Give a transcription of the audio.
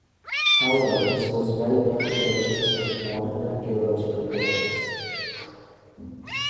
However, this was well before the development of modern archaeological techniques.